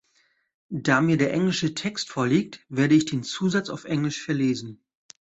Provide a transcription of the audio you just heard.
Da mir der englische Text vorliegt, werde ich den Zusatz auf Englisch verlesen.